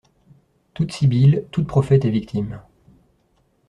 Toute sibylle, tout prophète est victime.